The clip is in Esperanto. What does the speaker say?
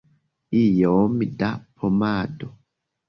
Iom da pomado?